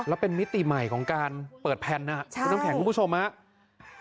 แล้วเป็นมิติใหม่ของการเปิดแพลนหน้าคุณผู้ชมครับ